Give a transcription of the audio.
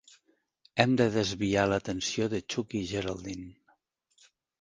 Hem de desviar l'atenció de Chuck i Geraldine.